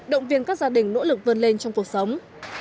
động viên các gia đình nỗ lực vươn lên trong cuộc sống